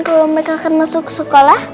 kalau mereka akan masuk sekolah